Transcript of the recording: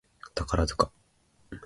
宝塚